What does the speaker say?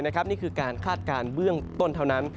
นี่คือการคาดการณ์เบื้องต้นเท่านั้น